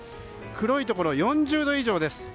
黒いところ、４０度以上です。